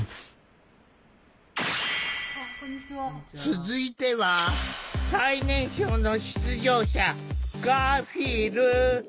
続いては最年少の出場者ガーフィール。